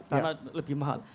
karena lebih mahal